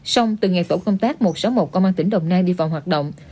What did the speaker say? sông từ ngày tổ công tác một trăm sáu mươi một công an tỉnh đồng nai đi vào hoạt động